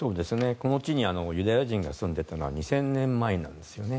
この地にユダヤ人が住んでいたのは２０００年前なんですよね。